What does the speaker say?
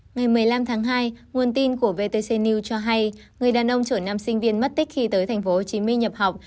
ngày một mươi năm tháng hai nguồn tin của vtc news cho hay người đàn ông chở nam sinh viên mất tích khi tới tp hcm nhập học